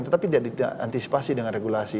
tetapi tidak diantisipasi dengan regulasi